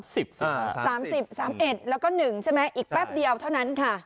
๓๐สัมเอ็ดแล้วก็หนึ่งใช่มั้ยอีกแป๊บเดียวเท่านั้นค่ะ